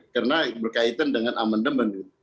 karena berkaitan dengan amandemen